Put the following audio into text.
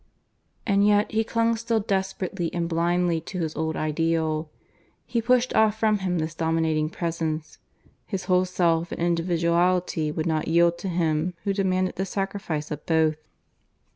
And yet he clung still desperately and blindly to his old ideal. He pushed off from him this dominating Presence; his whole self and individuality would not yield to Him who demanded the sacrifice of both.